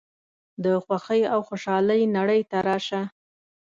د خوښۍ او خوشحالۍ نړۍ ته راشه.